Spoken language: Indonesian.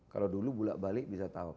kalau dulu bolak balik bisa tauk